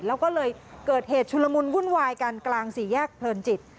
แล้วก็เลยเกิดเหตุชุลมุนวุ่นวายกันกลางสี่แยกเพลินจิต